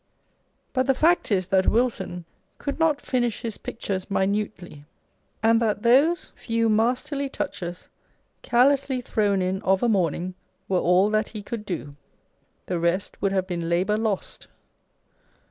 But the fact is, that Wilson could not finish his pictures minutely ; and that those few masterly touches, carelessly thrown in of a morning, were all that he could do. The rest would have been labour lost.